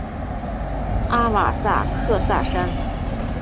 阿瓦萨克萨山。